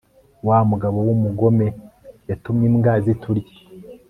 wamugabo wumugome yatumye imbwa ziturya